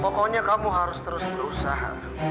pokoknya kamu harus terus berusaha